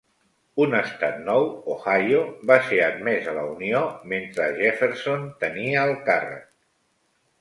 Un estat nou, Ohio, va ser admès a la Unió mentre Jefferson tenia el càrrec.